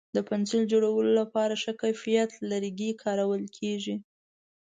د پنسل جوړولو لپاره ښه کیفیت لرګی کارول کېږي.